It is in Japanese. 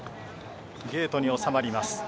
ゲートに収まります。